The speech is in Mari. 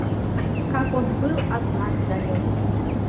Как он был от нас далёк...»